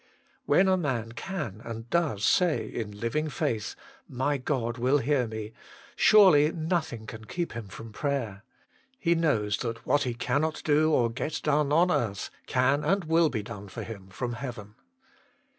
When a man can, and does say, in living faith, " My God will hear me !" surely nothing can keep him from prayer. He knows that what he cannot do or get done on earth, can and will be done for him from heaven.